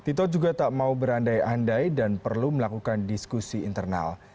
tito juga tak mau berandai andai dan perlu melakukan diskusi internal